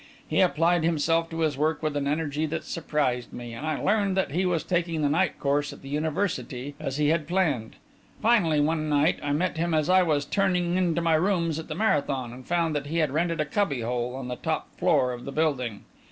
He applied himself to his work with an energy that surprised me, and I learned that he was taking the night course at the University, as he had planned. Finally, one night, I met him as I was turning in to my rooms at the Marathon, and found that he had rented a cubby hole on the top floor of the building.